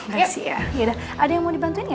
kasih ya ada yang mau dibantuin ya